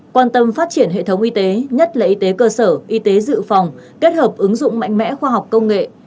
quan tâm phát triển hệ thống y tế nhất là y tế cơ sở y tế dự phòng kết hợp ứng dụng mạnh mẽ khoa học công nghệ